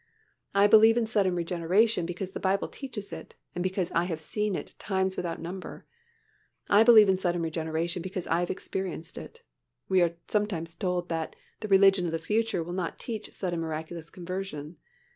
I believe in sudden regeneration because the Bible teaches it and because I have seen it times without number. I believe in sudden regeneration because I have experienced it. We are sometimes told that "the religion of the future will not teach sudden miraculous conversion."